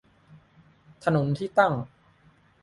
ถนนที่ตั้ง